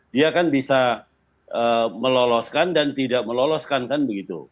dia kan bisa meloloskan dan tidak meloloskan kan begitu